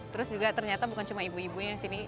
terus juga ternyata bukan cuma ibu ibunya di sini